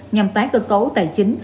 nhằm tái cơ cấu tài chính